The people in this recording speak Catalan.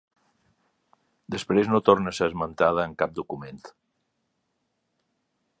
Després no torna a ser esmentada en cap document.